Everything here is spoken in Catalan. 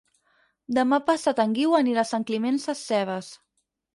Demà passat en Guiu anirà a Sant Climent Sescebes.